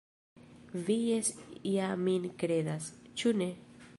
Vi jes ja min kredas, ĉu ne?